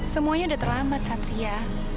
semuanya udah terlambat satria